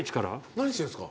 何してんすか？